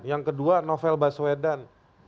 yang kedua novel baswedan